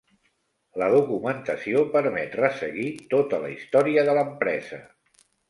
La documentació permet resseguir tota la història de l'empresa.